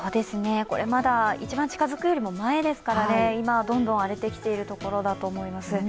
まだ一番近づくよりも前ですからね、今、どんどん荒れてきているところだと思います。